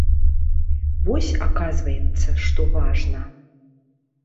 Вось, аказваецца, што важна.